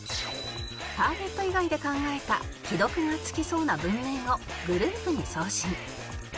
ターゲット以外で考えた既読がつきそうな文面をグループに送信